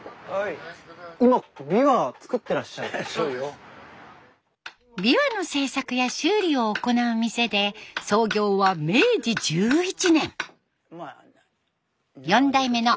今琵琶の製作や修理を行う店で創業は明治１１年。